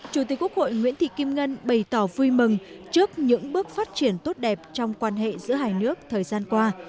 chủ tịch quốc hội nguyễn thị kim ngân bày tỏ vui mừng trước những bước phát triển tốt đẹp trong quan hệ giữa hai nước thời gian qua